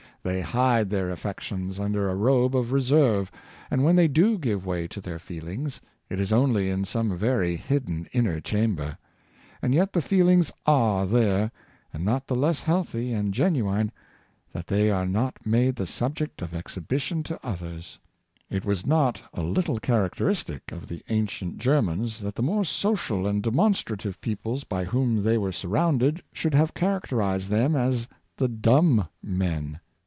They hide their affections under a robe of reserve, and when they do give way to their feelings, it is only in some very hidden inner chamber. And yet the feelings are there, and not the less healthy and gen uine that they are not made the subject of exhibition to others. It was not a little characteristic of the ancient Ger mans that the more social and demonstrative peoples by whom they were surrounded should have character ized them as the dumb men.